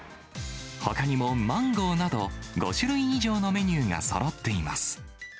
ほかにもマンゴーなど５種類以上のメニューがそろっています。